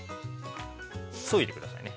そいでくださいね。